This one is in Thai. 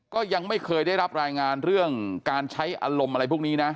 ก็ยังไม่เคยได้รับรายงานเรื่องการใช้อารมณ์อะไรพวกนี้นะ